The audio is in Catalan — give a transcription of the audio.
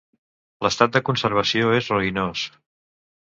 L'estat de conservació és ruïnós.